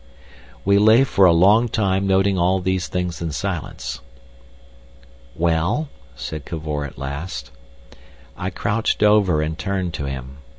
We lay for a long time noting all these things in silence. "Well?" said Cavor at last. I crouched over and turned to him.